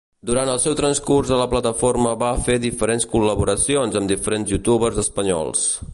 Durant el seu transcurs a la plataforma va fer diferents col·laboracions amb diferents youtubers espanyols.